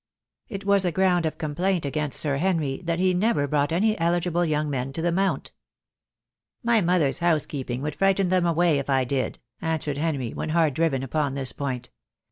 It was a ground of complaint against Sir Henry that he never brought any eligible young men to the Mount. "My mothers housekeeping would frighten them away if I did,"' answered Henry, when hard driven upon this point.